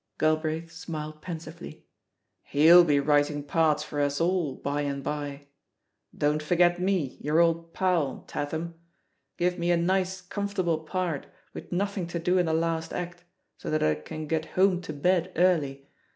Galbraith smiled pensively. ^'He'U be writ^ THE POSITION OP PEGGY HARPER 109 ing parts for us all by and by I Don't forget me, your old pal, Tatham. Give me a nice comfort able part with nothing to do in the last act, so that I can get home to bed early.